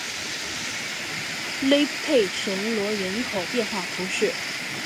勒佩什罗人口变化图示